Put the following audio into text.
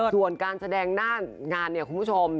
ส่วนการแสดงหน้างานเนี่ยคุณผู้ชม